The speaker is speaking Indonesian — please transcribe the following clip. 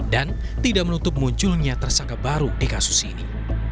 dan tidak menutup munculnya tersangka baru di kasus ini